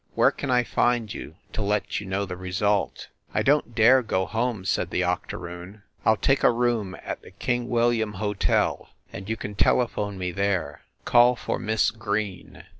Where can I find you to let you know the result?" "I don t dare go home," said the octoroon. "I ll take a room at the King William Hotel, and you can telephone me there. Call for Miss Green."